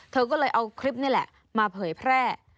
เธอก็เลยเอาคลิปนี่แหละมาเผยแพร่